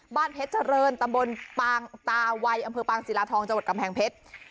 เพชรเจริญตำบลปางตาวัยอำเภอปางศิลาทองจังหวัดกำแพงเพชร